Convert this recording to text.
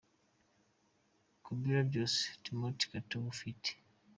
Khubira Byosi – Timothy Kitui ft.